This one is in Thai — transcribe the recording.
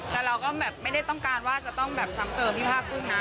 แต่เราก็แบบไม่ได้ต้องการว่าจะต้องแบบซ้ำเติมพี่ผ้ากุ้งนะ